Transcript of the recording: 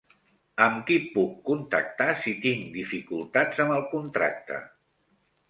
Amb qui puc contactar si tinc dificultats amb el contracte?